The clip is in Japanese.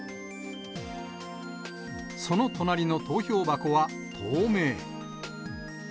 その隣の投票箱は透明。